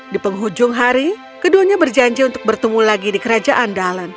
di penghujung hari keduanya berjanji untuk bertemu lagi di kerajaan dallon